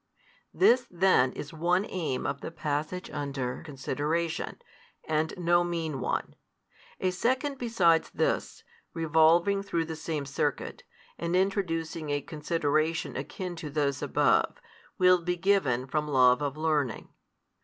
This then is one aim of the passage under consideration, and no mean one. A second besides this, revolving through the same circuit, and introducing a consideration akin to |176 those above, will be given from love of learning.